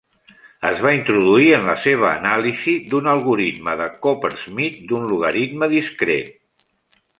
Es va introduir en la seva anàlisi d'un algoritme de Coppersmith d'un logaritme discret.